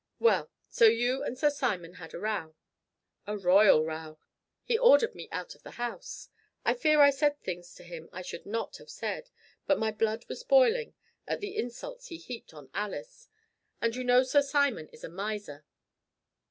Well, so you and Sir Simon had a row?" "A royal row. He ordered me out of the house. I fear I said things to him I should not have said, but my blood was boiling at the insults he heaped on Alice. And you know Sir Simon is a miser.